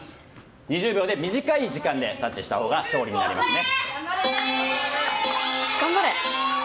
２０秒、短い時間でタッチしたほうが勝利になりますね。